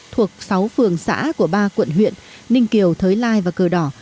thuộc sáu phường xã của ba quận huyện ninh kiều thới lai và cờ đỏ